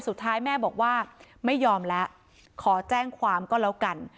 สุดท้ายแม่บอกว่าไม่ยอมแล้วขอแจ้งความก็แล้วกัน